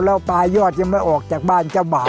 แล้วปลายยอดยังไม่ออกจากบ้านเจ้าบ่าว